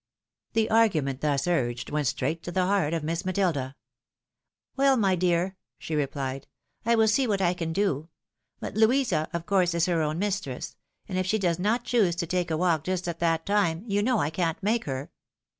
The argument thus urged went straight to the heart of Misa Matilda. " Well, my dear," she rephed, " I will see what lean do — ^but Louisa, of course, is her own mistress, and if she does not choose to take a walk just at that time, you know I can't make her."